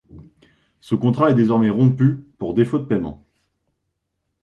Ce contrat est désormais rompu pour défaut de paiement.